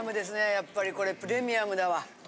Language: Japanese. やっぱりこれプレミアムだわ。